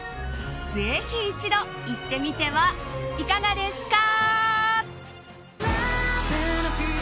ぜひ一度行ってみてはいかがですか。